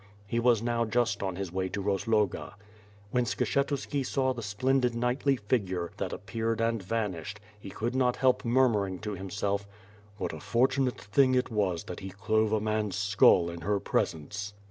He was now just on his way to Rozloga. When Skshetuski saw the splendid knightly figure, that appeared and vanished, he could not help murmuring to himself, "What a fortunate thing it was that he clove a man's skull in her presence."